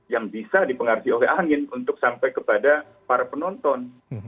yang bisa dipengaruhi oleh angin untuk sampai kepada para penonton